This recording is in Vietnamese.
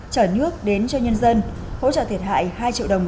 chở nước đến cho nhân dân hỗ trợ thiệt hại hai triệu đồng